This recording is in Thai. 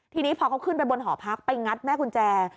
ทีนี้พอเขาขึ้นไปบนหอพักไปงัดแม่กุญแจ